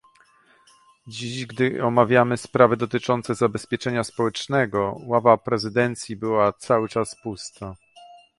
Dziś, gdy omawiamy sprawy dotyczące zabezpieczenia społecznego, ława prezydencji była cały czas pusta